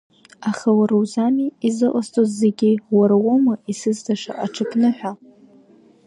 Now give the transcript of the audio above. Аха уара узами изыҟасҵоз зегьы, уара уоума исызҭаша аҽыԥныҳәа!